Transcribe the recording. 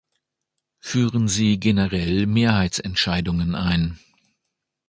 Führen Sie generell Mehrheitsentscheidungen ein.